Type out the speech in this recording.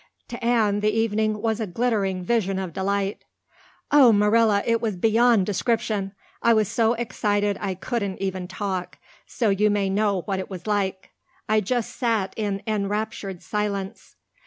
To Anne the evening was a glittering vision of delight. "Oh, Marilla, it was beyond description. I was so excited I couldn't even talk, so you may know what it was like. I just sat in enraptured silence.